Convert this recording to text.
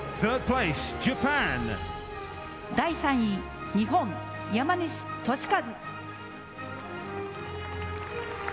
第３位、日本、山西利和。